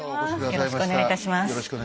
よろしくお願いします。